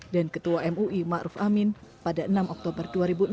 dan ketua mui ma'aruf amin pada enam oktober dua ribu enam belas